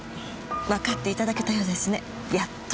わかっていただけたようですねやっと。